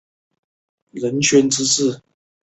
戴图理的父亲戴达利亦为意大利多届冠军骑师。